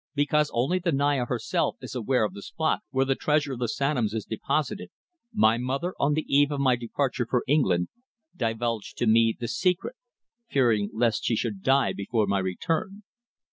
Because only the Naya herself is aware of the spot where the treasure of the Sanoms is deposited, my mother, on the eve of my departure for England, divulged to me the secret, fearing lest she should die before my return.